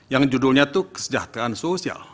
yang judulnya itu kesejahteraan sosial